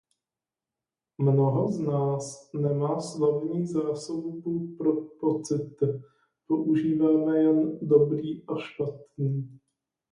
Mnoho z nás nemá slovní zásobu pro pocity, používáme jen dobrý a špatný.